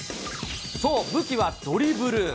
そう、武器はドリブル。